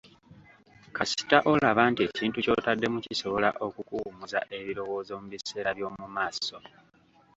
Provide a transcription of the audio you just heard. Kasita olaba nti ekintu kyotaddemu kisobola okukuwummuza ebirowoozo mu biseera by'omu maaso.